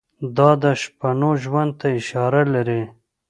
دا د شپنو ژوند ته اشاره لري.